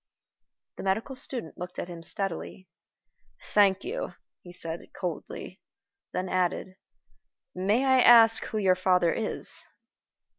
The medical student looked at him steadily. "Thank you," he said, coldly; then added, "May I ask who your father is?"